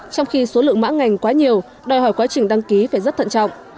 trong khi số lượng mã ngành quá nhiều đòi hỏi quá trình đăng ký phải rất thận trọng